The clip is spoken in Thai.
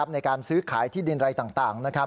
ในการซื้อขายที่ดินอะไรต่าง